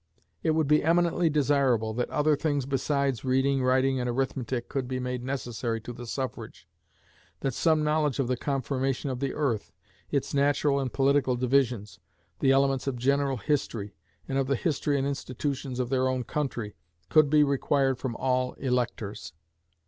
It would be eminently desirable that other things besides reading, writing, and arithmetic could be made necessary to the suffrage; that some knowledge of the conformation of the earth, its natural and political divisions, the elements of general history, and of the history and institutions of their own country, could be required from all electors.